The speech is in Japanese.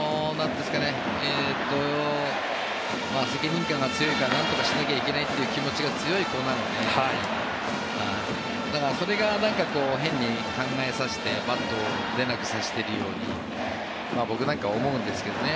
責任感が強いからなんとかしなきゃいけないという思いが強い子なのでそれが変に考えさせてバットを出なくさせているように僕なんかは思うんですけどね。